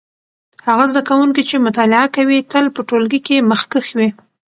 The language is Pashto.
هغه زده کوونکی چې مطالعه کوي تل په ټولګي کې مخکښ وي.